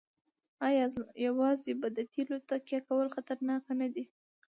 آیا یوازې په تیلو تکیه کول خطرناک نه دي؟